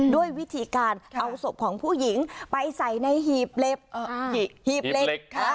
ด้วยวิธีการเอาศพของผู้หญิงไปใส่ในหีบหีบเหล็ก